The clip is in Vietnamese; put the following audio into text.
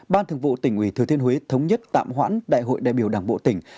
ban thường vụ tỉnh ủy thừa thiên huế thống nhất tạm hoãn đại hội đại biểu đảng bộ tỉnh